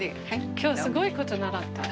今日すごい事習った。